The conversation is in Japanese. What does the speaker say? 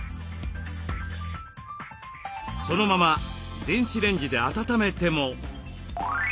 そのまま電子レンジで温めても。